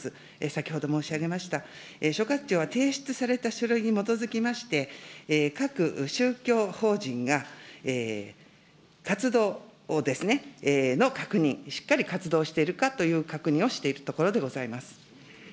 先ほど申し上げました、所轄庁は提出された書類に基づきまして、各宗教法人が活動ですね、の確認、しっかり活動しているかという確認をしているところでございます。